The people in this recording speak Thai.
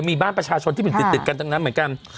มีบ้านประชาชนที่เป็นสิ่งติดกันตรงนั้นเหมือนกัน